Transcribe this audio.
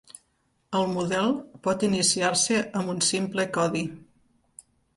El model pot iniciar-se amb un simple codi.